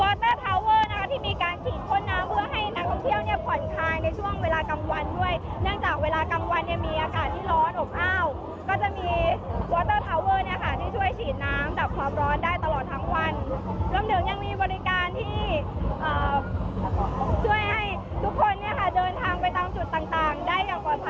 เตอร์ทาวเวอร์นะคะที่มีการฉีดพ่นน้ำเพื่อให้นักท่องเที่ยวเนี่ยผ่อนคลายในช่วงเวลากลางวันด้วยเนื่องจากเวลากลางวันเนี่ยมีอากาศที่ร้อนอบอ้าวก็จะมีวอเตอร์ทาวเวอร์เนี่ยค่ะที่ช่วยฉีดน้ำดับความร้อนได้ตลอดทั้งวันรวมถึงยังมีบริการที่ช่วยให้ทุกคนเนี่ยค่ะเดินทางไปตามจุดต่างต่างได้อย่างปลอดภัย